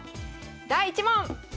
第１問！